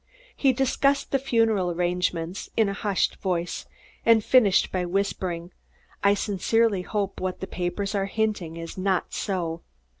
He discussed the funeral arrangements in a hushed voice and finished by whispering, "I sincerely hope what the papers are hinting is not so."